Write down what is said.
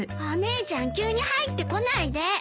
お姉ちゃん急に入ってこないで。